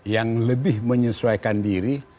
yang lebih menyesuaikan diri